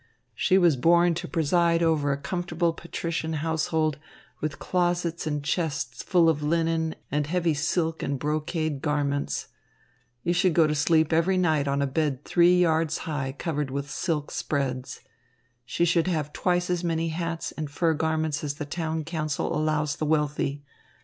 She was born to preside over a comfortable patrician household, with closets and chests full of linen and heavy silk and brocade garments. She should go to sleep every night on a bed three yards high covered with silk spreads. She should have twice as many hats and fur garments as the town council allows the wealthy.